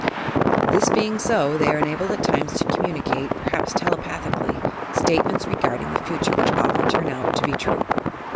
This being so, they are enabled at times to commum eate (perhaps telepathically) statements regarding the future which often turn out to be true.